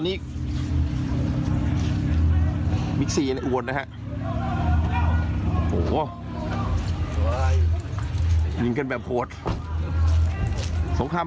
ผมเกือบตาย